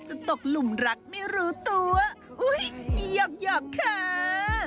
ตกหลุมรักไม่รู้ตัวอุ้ยหยอกค่ะ